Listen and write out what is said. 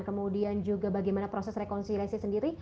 kemudian juga bagaimana proses rekonsiliasi sendiri